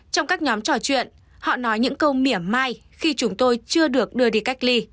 trong các nhóm trò chuyện họ nói những câu miểng mai khi chúng tôi chưa được đưa đi cách ly